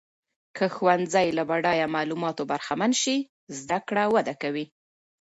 که ښوونځۍ له بډایه معلوماتو برخمن سي، زده کړه وده کوي.